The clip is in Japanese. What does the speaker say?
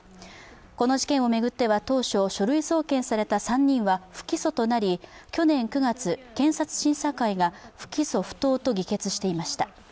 この事件を巡っては当初書類送検された３人は不起訴となり、去年９月、検察審査会が不起訴不当と議決していました。